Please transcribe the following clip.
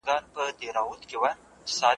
د روښان له خلوتونو د ایپي له مورچلونو `